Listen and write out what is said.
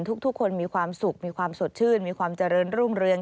ทุกคนมีความสุขมีความสดชื่นมีความเจริญรุ่งเรือง